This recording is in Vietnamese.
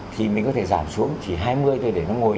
thì mình có thể giảm xuống chỉ hai mươi thôi để nó ngồi